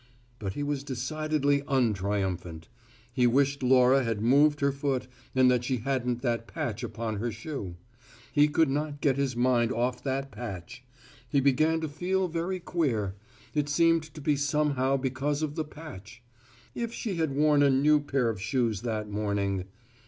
But he was decidedly untriumphant: he wished Laura had moved her foot and that she hadn't that patch upon her shoe. He could not get his mind off that patch. He began to feel very queer: it seemed to be somehow because of the patch. If she had worn a pair of new shoes that morning.